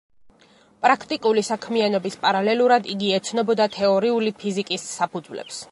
პრაქტიკული საქმიანობის პარალელურად იგი ეცნობოდა თეორიული ფიზიკის საფუძვლებს.